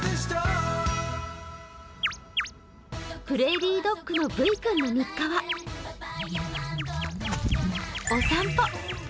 プレーリードッグのブイ君の日課はお散歩。